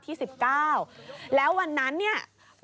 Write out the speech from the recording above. ขอบคุณครับ